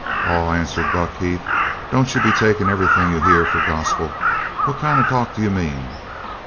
"Aw," answered Buck Heath, "don't you be takin' everything you hear for gospel. What kind of talk do you mean?"